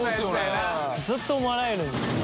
ずっともらえるんですね。